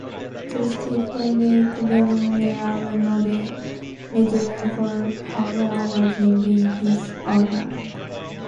The Stephen Leacock Memorial Medal for Humour was named in his honour.